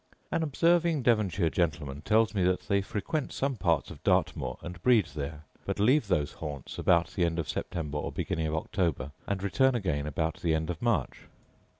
An observing Devonshire gentleman tells me that they frequent some parts of Dartmoor, and breed there; but leave those haunts about the end of September or beginning of October, and return again about the end of March.